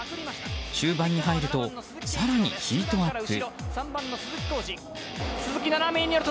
終盤に入ると更にヒートアップ。